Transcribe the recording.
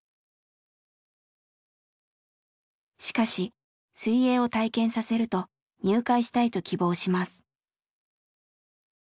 しかし水泳を体験させると入会したいと希望します。